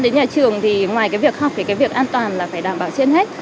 với nhà trường thì ngoài việc học thì việc an toàn là phải đảm bảo trên hết